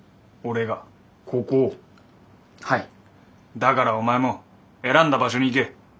だからお前も選んだ場所に行け。